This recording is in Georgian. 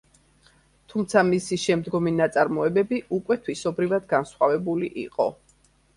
თუმცა მისი შემდგომი ნაწარმოებები უკვე თვისობრივად განსხვავებული იყო.